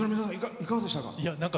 いかがでしたか？